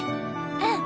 うん。